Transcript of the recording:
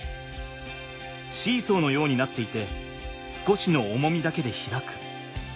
シーソーのようになっていて少しの重みだけで開く。